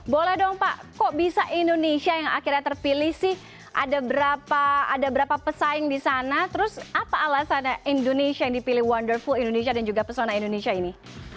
boleh dong pak kok bisa indonesia yang akhirnya terpilih sih ada berapa pesaing di sana terus apa alasannya indonesia yang dipilih wonderful indonesia dan juga pesona indonesia ini